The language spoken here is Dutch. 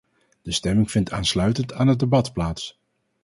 De stemming vindt aansluitend aan het debat plaats.